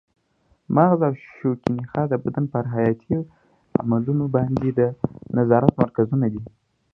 مغز او شوکي نخاع د بدن پر حیاتي عملونو باندې د نظارت مرکزونه دي.